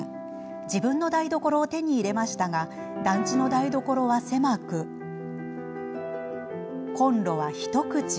自分の台所を手に入れましたが団地の台所は狭く、コンロは一口。